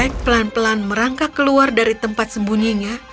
eg pelan pelan merangkak keluar dari tempat sembunyinya